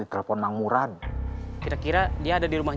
kan lagi dicari mamuran